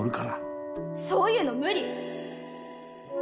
そういうの無理！